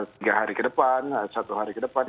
tiga hari ke depan satu hari ke depan